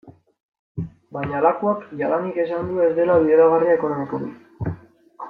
Baina Lakuak jadanik esan du ez dela bideragarria ekonomikoki.